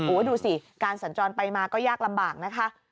ดูสิการสัญจรไปมาก็ยากลำบากนะคะ